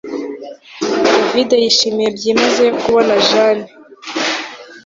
David yishimiye byimazeyo kubona Jane